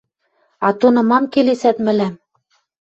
«А тоны мам келесӓт мӹлӓм?